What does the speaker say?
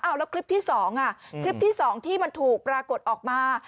อ้าวแล้วคลิปที่สองคลิปที่สองที่ถูกปรากฏออกมา